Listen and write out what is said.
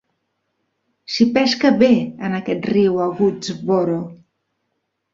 S'hi pesca bé, en aquest riu a Woodsboro.